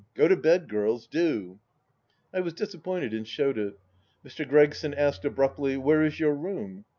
Go to bed, girls, do." I was disappointed and showed it. Mr. Gregson asked abruptly, " Where is your room